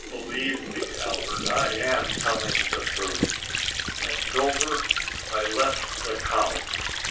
Believe me, Albert, I am telling the truth. At Dover, I left the Count.